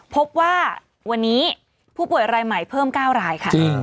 พบว่าวันนี้ผู้ป่วยรายใหม่เพิ่ม๙รายค่ะ